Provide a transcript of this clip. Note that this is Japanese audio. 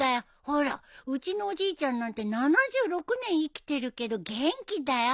ほらうちのおじいちゃんなんて７６年生きてるけど元気だよ。